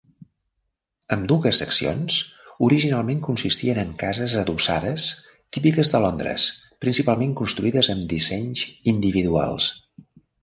Ambdues seccions originalment consistien en cases adossades típiques de Londres, principalment construïdes amb dissenys individuals.